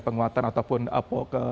penguatan ataupun perubahan